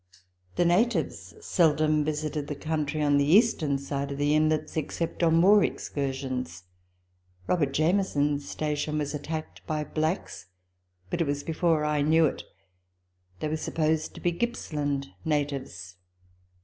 The natives seldom visited the country on the eastern side of the inlets except on war excursions. Robert Jamieson's station was attacked by blacks, but it was before I knew it; they were supposed to be Gippsland natives.